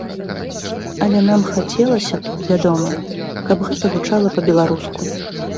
Але нам хацелася б, вядома, каб гэта гучала па-беларуску.